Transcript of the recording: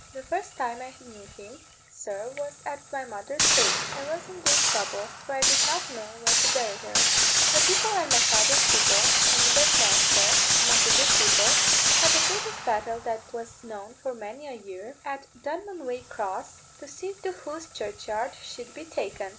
The first time I knew him, sir, was at my mother's wake. I was in great trouble, for I did not know where to bury her. Her people and my father's people I mean their friends, sir, among the good people had the greatest battle that was known for many a year, at Dunmanwaycross, to see to whose churchyard she'd be taken.